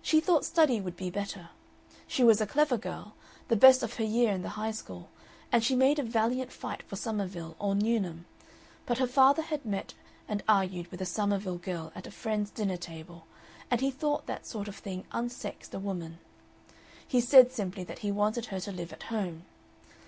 She thought study would be better. She was a clever girl, the best of her year in the High School, and she made a valiant fight for Somerville or Newnham but her father had met and argued with a Somerville girl at a friend's dinner table and he thought that sort of thing unsexed a woman. He said simply that he wanted her to live at home.